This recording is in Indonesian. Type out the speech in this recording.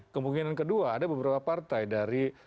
kemungkinan kedua ada beberapa partai dari